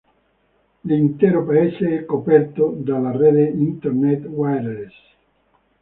L'intero paese è coperto dalla rete Internet wireless.